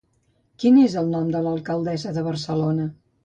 Quin és el nom de l'alcaldessa de Barcelona?